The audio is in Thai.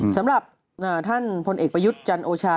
สำหรับท่านพลเอกประยุทธ์จันโอชา